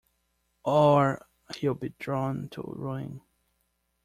Or he'll be drawn to ruin.